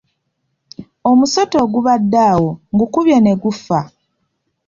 Omusota ogubadde awo ngukubye ne gufa.